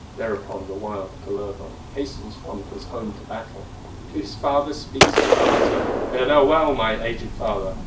Thereupon the wild Kullervo Hastens from his home to battle, To his father speaks, departing: "Fare thou well, my aged father!